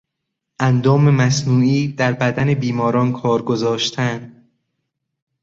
اندام مصنوعی در بدن بیماران کار گذاشتن